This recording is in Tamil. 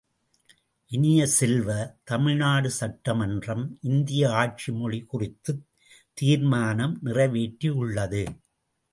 இனிய செல்வ, தமிழ்நாடு சட்டமன்றம் இந்திய ஆட்சி மொழி குறித்துத் தீர்மானம் நிறைவேற்றியுள்ளது.